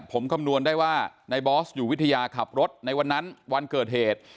ผมคำนวณได้ว่าในบอสอยู่วิทยาขับรถในวันนั้นวันเกิดเหตุ